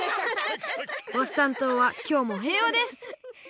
ワッサン島はきょうもへいわです！